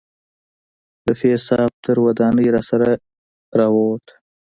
رفیع صاحب تر ودانۍ راسره راوووت.